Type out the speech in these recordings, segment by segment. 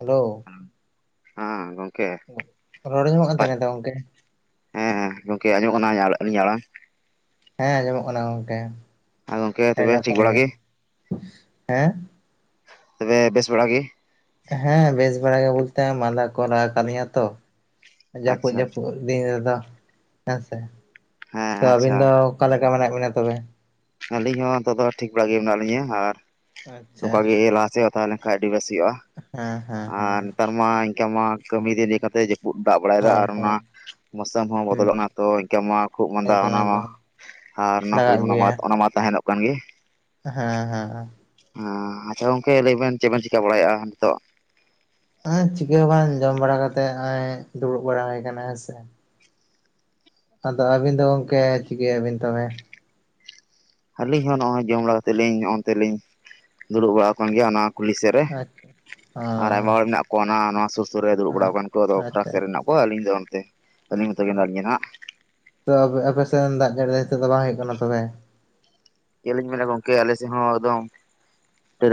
Hello. ᱦᱟᱸ ᱜᱚᱝᱠᱮ᱾ ᱨᱚᱲ ᱟᱸᱡᱚᱢᱚᱜ ᱠᱟᱱ ᱱᱟᱯᱟᱭ ᱛᱟᱦᱮ ᱛᱚ ᱜᱚᱝᱠᱮ? ᱦᱮᱸ ᱜᱚᱝᱠᱮ ᱟᱸᱡᱚᱢᱚᱜ ᱠᱟᱱᱟ ᱟᱞᱤᱧᱟᱜ ᱟᱲᱟᱝ? ᱦᱮᱸ ᱟᱸᱡᱚᱢᱚᱜ ᱠᱟᱱᱟ ᱜᱚᱝᱠᱮ ᱦᱮᱸ ᱜᱚᱝᱠᱮ ᱟᱹᱰᱤ ᱛᱚᱵᱮ ᱴᱷᱤᱠ ᱱᱟᱯᱟᱭ ᱵᱟᱲᱟ ᱜᱮ᱾ ᱦᱮᱸ ᱛᱚᱵᱮ ᱵᱮᱥ ᱵᱟᱲᱟ ᱜᱮ᱾ ᱦᱮᱸ ᱵᱮᱥ ᱵᱟᱲᱟ ᱜᱮ ᱵᱚᱞᱛᱮ ᱢᱟᱸᱫᱟ ᱠᱚ [unintelligible] ᱠᱟᱢᱤᱭᱟᱛᱚ ᱡᱟᱹᱯᱩᱫ ᱟᱪᱪᱷᱟ ᱡᱟᱹᱯᱩᱫ ᱫᱤᱱ ᱨᱮᱫᱚ ᱦᱮᱸ ᱥᱮ ᱦᱮᱸ ᱛᱚ ᱟᱹᱵᱤᱱ ᱟᱪᱪᱷᱟ ᱫᱚ ᱚᱠᱟ ᱞᱮᱠᱟ ᱢᱮᱱᱟᱜ ᱵᱤᱱᱟ ᱛᱚᱵᱮ? ᱟᱹᱞᱤᱧ ᱦᱚᱸ ᱱᱤᱛᱚᱜ ᱫᱚ ᱴᱷᱤᱠ ᱵᱟᱲᱟ ᱜᱮ ᱢᱮᱱᱟᱜ ᱞᱤᱧᱟ ᱟᱨ ᱟᱪᱪᱷᱟ ᱱᱚᱝᱠᱟ ᱜᱮ ᱞᱟᱦᱟᱥᱮᱫ ᱛᱟᱦᱞᱮᱱ ᱠᱷᱟᱡ ᱟᱰᱤ ᱵᱮᱥ ᱦᱩᱭᱩᱜᱼᱟ, ᱦᱮᱸ ᱦᱮᱸ ᱟᱨ ᱦᱮᱸ ᱱᱮᱛᱟᱨ ᱢᱟ ᱤᱱᱠᱟᱹ ᱢᱟ ᱠᱟᱹᱢᱤ ᱤᱫᱤ ᱠᱟᱛᱮ [unintelligible] ᱫᱟᱜ ᱵᱟᱲᱟᱭᱮᱫᱟ ᱦᱳᱭ ᱟᱨ ᱚᱱᱟ ᱦᱳᱭ ᱢᱳᱥᱩᱢ ᱦᱚᱸ ᱦᱩᱸ ᱵᱚᱫᱚᱞᱚᱜ ᱠᱟᱱᱟ ᱛᱚ ᱤᱱᱠᱟ ᱢᱟ ᱠᱷᱩᱜ ᱢᱟᱸᱫᱟ ᱮᱠᱫᱚᱢ ᱚᱱᱟ ᱢᱟ ᱮᱠᱫᱚᱢ ᱟᱨ ᱚᱱᱟ ᱦᱩᱭ ᱞᱟᱜᱟᱜ ᱜᱮᱭᱟ ᱚᱱᱟ ᱢᱟ ᱛᱟᱦᱮᱱᱚᱜ ᱠᱟᱱ ᱜᱮ᱾ ᱦᱮᱸ ᱦᱮᱸᱦᱮᱸ ᱦᱮᱸ ᱟᱪᱪᱷᱟ ᱜᱚᱝᱠᱮ ᱞᱟᱹᱭ ᱵᱮᱱ ᱪᱮᱫ ᱵᱮᱱ ᱪᱤᱠᱟ ᱵᱟᱲᱟᱭᱮᱜᱼᱟ ᱱᱤᱛᱚᱜ? ᱦᱮᱸ ᱪᱤᱠᱟᱹ ᱦᱚᱸ ᱵᱟᱝ ᱡᱚᱢ ᱵᱟᱲᱟ ᱠᱟᱛᱮᱫ ᱦᱚᱜᱼᱚᱭ ᱫᱩᱲᱩᱵ ᱵᱟᱲᱟ ᱦᱩᱭ ᱠᱟᱱᱟ ᱦᱮᱸᱥᱮ ᱟᱫᱚ ᱟᱹᱵᱤᱱ ᱫᱚ ᱜᱚᱢᱠᱮ ᱪᱤᱠᱟᱹᱭ ᱟᱵᱤᱱ ᱛᱚᱵᱮ ᱟᱹᱞᱤᱧ ᱦᱚᱸ ᱱᱚᱜᱼᱚᱭ ᱡᱚᱢ ᱵᱟᱲᱟ ᱠᱟᱛᱮᱜ ᱞᱤᱧ ᱦᱚᱸᱜᱼᱚᱱᱛᱮᱞᱤᱧ ᱫᱩᱲᱩᱵ ᱵᱟᱲᱟ ᱟᱠᱟᱱ ᱜᱮᱭᱟ ᱚᱱᱟ ᱠᱩᱞᱦᱤ ᱥᱮᱫ ᱨᱮ ᱟᱪᱪᱷᱟ ᱟᱨ ᱚ ᱟᱭᱢᱟ ᱦᱚᱲ ᱢᱮᱱᱟᱜ ᱚᱱᱟ ᱱᱚᱣᱟ ᱥᱩᱨ ᱥᱩᱨ ᱨᱮ ᱫᱩᱲᱩᱵ ᱵᱟᱲᱟ ᱦᱮᱸ ᱟᱠᱟᱱ ᱠᱚ ᱟᱫᱚ ᱯᱷᱟᱨᱟᱠ ᱟᱪᱪᱷᱟ ᱥᱮᱫ ᱨᱮᱱᱟᱜ ᱟᱪᱪᱷᱟ ᱠᱚᱣᱟ ᱟᱹᱞᱤᱧ ᱫᱚ ᱚᱱᱛᱮ ᱟᱹᱞᱤᱧ ᱢᱚᱛᱚ ᱜᱮ ᱢᱮᱱᱟᱜ ᱦᱮᱸ ᱞᱤᱧᱟ ᱦᱟᱜ᱾ ᱛᱚ ᱟᱯᱮ ᱟᱯᱮᱥᱮᱱ ᱫᱟᱜ ᱡᱟᱹᱲᱤ ᱱᱤᱛᱚᱜ ᱫᱚ ᱵᱟᱝ ᱦᱩᱭᱩᱜ ᱠᱟᱱᱟ ᱛᱚᱵᱮ? ᱪᱮᱫ ᱞᱤᱧ ᱢᱮᱱᱟ ᱜᱚᱝᱠᱮ ᱟᱞᱮᱥᱮᱫ ᱦᱚᱸ ᱮᱠᱫᱚᱢ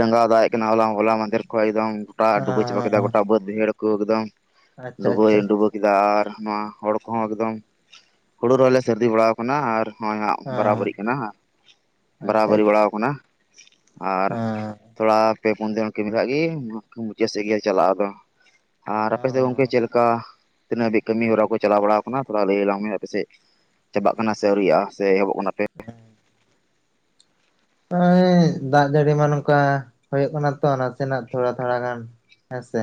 ᱨᱟᱸᱜᱟᱣ ᱫᱟᱜ ᱮ ᱠᱟᱱᱟ ᱦᱚᱞᱟ ᱦᱚᱞᱟ ᱢᱟᱫᱷᱮᱨ ᱠᱷᱚᱱ ᱮᱠᱫᱚᱢ ᱜᱚᱴᱟ ᱰᱩᱵᱟᱹᱣ ᱪᱟᱵᱟ ᱠᱮᱫᱟ ᱜᱚᱴᱟ ᱵᱟᱹᱫ ᱵᱟᱹᱭᱦᱟᱹᱲ ᱠᱚ ᱮᱠᱫᱚᱢ ᱟᱪᱪᱷᱟ ᱰᱩᱵᱟᱹᱭ ᱟᱪᱪᱷᱟ ᱟᱪᱪᱷᱟ ᱰᱩᱵᱟ ᱟᱨ ᱱᱚᱣᱟ ᱦᱚᱲ ᱠᱚᱦᱚᱸ ᱮᱠᱫᱚᱢ ᱦᱩᱲᱩ ᱨᱮᱦᱚᱸᱭ ᱞᱮ ᱥᱟᱹᱨᱫᱤ ᱵᱟᱲᱟ ᱟᱠᱟᱱᱟ ᱟᱨ ᱦᱚᱸᱚᱭ ᱦᱟᱸᱜ ᱦᱮᱸ ᱵᱟᱨᱟᱵᱟᱹᱨᱤᱜ ᱠᱟᱱᱟ ᱟᱪᱪᱷᱟ ᱟᱪᱪᱷᱟ ᱵᱟᱨᱟᱵᱟᱹᱨᱤ ᱵᱟᱲᱟᱣ ᱠᱟᱱᱟ ᱟᱨ ᱦᱮᱸ ᱛᱷᱚᱲᱟ ᱯᱮ ᱯᱩᱱ ᱫᱤᱱ ᱠᱟᱹᱢᱤ ᱠᱷᱟ ᱜᱮ ᱢᱩᱪᱟᱹᱫ ᱥᱮᱫ ᱜᱮ ᱪᱟᱞᱟᱜᱼᱟ ᱟᱫᱚ ᱟᱨ ᱟᱯᱮᱥᱮᱫ ᱫᱚ ᱜᱚᱝᱠᱮ ᱪᱮᱫ ᱚᱸ ᱞᱮᱠᱟ ᱠᱟ ᱛᱤᱱᱟᱹᱜ ᱦᱟᱹᱤᱡ ᱠᱟᱹᱢᱤ ᱦᱚᱨᱟ ᱠᱚ ᱪᱟᱞᱟᱣ ᱵᱟᱲᱟ ᱟᱠᱟᱱᱟ ᱛᱷᱚᱲᱟ ᱞᱟᱹᱭ ᱟᱞᱟᱝ ᱢᱮ ᱟᱯᱮᱥᱮᱡ ᱪᱟᱵᱟᱜ ᱠᱟᱱᱟ ᱥᱮ ᱟᱹᱣᱨᱤᱭᱟᱜᱼᱟ ᱥᱮ ᱮᱦᱚᱵᱚᱜ ᱠᱟᱱᱟᱯᱮ? ᱱᱚᱜᱼᱚᱭ ᱫᱟᱜ ᱡᱟᱹᱲᱤ ᱢᱟ ᱱᱚᱝᱠᱟ ᱦᱩᱭᱩᱜ ᱠᱟᱱᱟ ᱛᱚ ᱱᱟᱥᱮᱱᱟᱜ ᱛᱷᱚᱲᱟ ᱛᱷᱚᱲᱟ ᱜᱟᱱ ᱦᱮᱸᱥᱮ